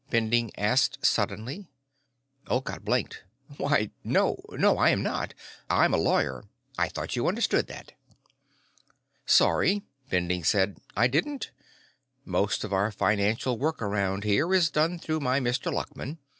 Bending asked suddenly. Olcott blinked. "Why, no. No, I am not. I'm a lawyer. I thought you understood that." "Sorry," Bending said. "I didn't. Most of the financial work around here is done through my Mr. Luckman.